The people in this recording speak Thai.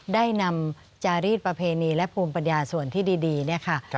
ได้นำจารีสประเพณีและภูมิปัญญาส่วนที่ดีเนี่ยค่ะ